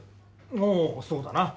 おおそうだな。